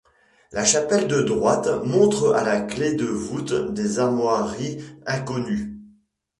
La chapelle de droite montre à la clef de voûte des armoiries inconnues.